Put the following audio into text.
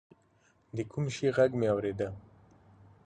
د کوم شي ږغ مې اورېده.